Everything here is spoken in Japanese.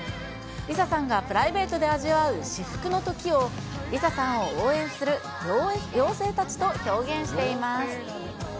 ＬｉＳＡさんがプライベートで味わう至福のときを、ＬｉＳＡさんを応援する妖精たちと表現しています。